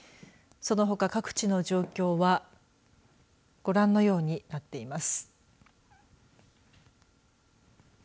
そのほか各地の状況はご覧のようになっています。